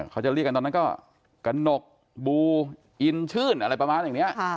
เขาจะเรียกกันตอนนั้นก็กระหนกบูอินชื่นอะไรประมาณอย่างนี้